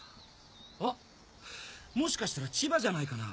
あっもしかしたら千葉じゃないかな。